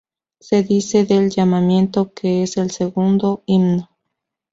Se dice del Llamamiento que es el segundo himno.